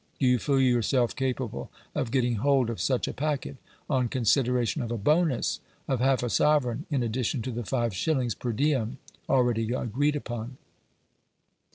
Do you feel yourself capable of getting hold of such a packet, on consideration of a bonus of half a sovereign in addition to the five shillings per diem already agreed upon?"